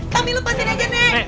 kami lepasin aja nek